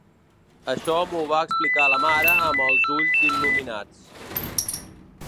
Això m'ho va explicar la mare amb els ulls il·luminats.